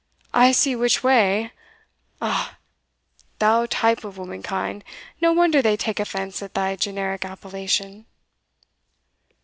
I see which way Ah, thou type of womankind! no wonder they take offence at thy generic appellation!"